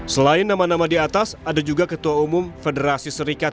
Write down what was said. selain nama nama di atas ada juga ketua umum federasi serikat